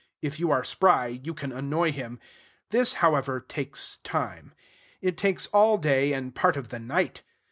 If you are spry, you can annoy him. This, however, takes time. It takes all day and part of the night.